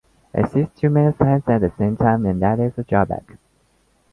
It sees too many sides at the same time and that is a drawback.